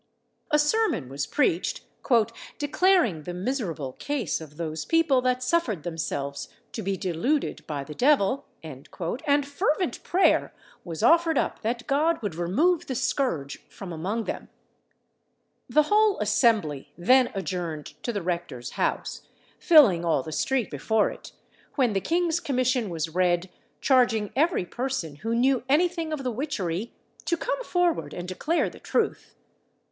A sermon was preached, "declaring the miserable case of those people that suffered themselves to be deluded by the devil," and fervent prayer was offered up that God would remove the scourge from among them. [Illustration: LOUIS XIV.] The whole assembly then adjourned to the rector's house, filling all the street before it, when the king's commission was read, charging every person who knew any thing of the witchery, to come forward and declare the truth.